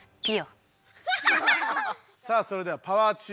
さあそれではパワーチーム。